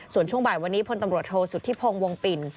ส่วนช่วงบ่ายวันนี้พลตำรวจโทษสุธิพงศ์วงปิ่น